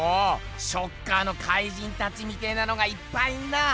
ショッカーの怪人たちみてぇなのがいっぱいいんなぁ！